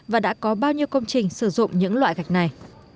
và đã có bao nhiêu công trình sử dụng những loại gạch này